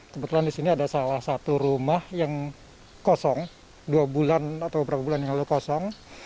kebetulan di sini ada salah satu rumah yang kosong dua bulan atau beberapa bulan yang lalu kosong